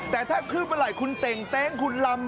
แต่ถ้าขึ้นเมื่อไหร่คุณเต่งเต้งคุณลำ